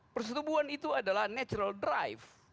persetubuhan itu adalah natural drive